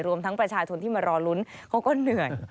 รวมทั้งประชาชนที่มารอลุ้นเขาก็เหนื่อย